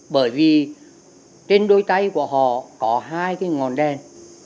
bởi vì trên đôi tay của họ có hai cái ngọn đèn